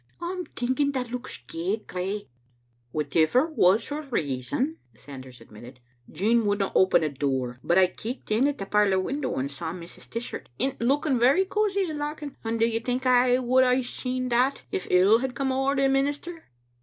I'm thinking that looks gey gray. "" Whatever was her reason, " Sanders admitted, " Jean wouldna open the door; but I keeked in at the parlor window, and saw Mrs. Dishart in't looking very cosy like and lauching ; and do you think I would hae seea that if ill had come ower the minister?"